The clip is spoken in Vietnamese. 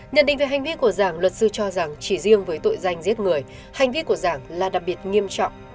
nhận định về hành vi của giảng luật sư cho rằng chỉ riêng với tội danh giết người hành vi của giảng là đặc biệt nghiêm trọng